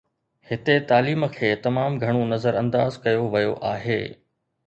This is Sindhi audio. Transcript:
هتي تعليم کي تمام گهڻو نظرانداز ڪيو ويو آهي.